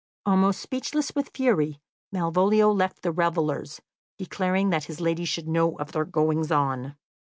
Almost speechless with fury, Malvolio left the revellers, declaring that his lady should know of their goings on.